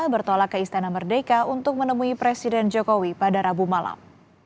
bertolak ke istana merdeka untuk menemui presiden jokowi pada rabu malam